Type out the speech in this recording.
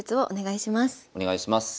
お願いします。